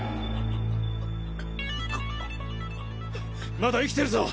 まだ生きてるぞ！